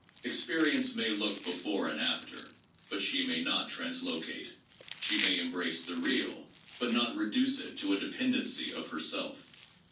Experience may look before and after, but she may not translo cate. She may embrace the real, but not reduce it to a depen dency of herself.